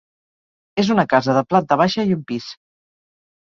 És una casa de planta baixa i un pis.